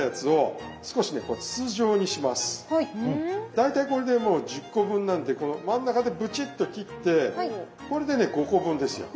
大体これでもう１０個分なんでこの真ん中でブチッと切ってこれでね５個分ですよ。